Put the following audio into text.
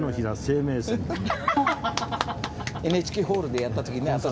ＮＨＫホールでやった時にね